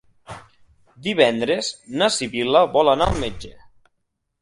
Divendres na Sibil·la vol anar al metge.